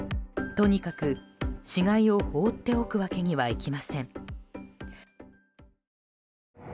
とにかく死骸を放っておくわけにはいきません。